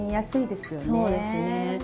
そうですね。